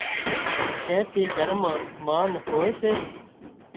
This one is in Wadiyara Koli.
زين ٿي گھر مان مانَ هوئي سي